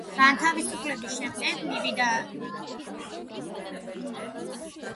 განთავისუფლების შემდეგ მოვიდა ცნობა, რომ სერგეი გორბაჩოვი დაიღუპა.